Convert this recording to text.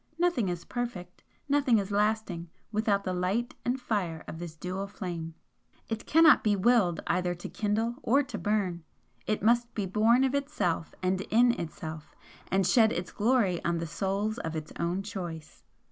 Nothing is perfect, nothing is lasting without the light and fire of this dual flame. It cannot be WILLED either to kindle or to burn; it must be born of itself and IN itself, and shed its glory on the souls of its own choice.